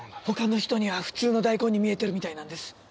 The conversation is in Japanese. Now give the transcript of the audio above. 他の人には普通の大根に見えてるみたいなんです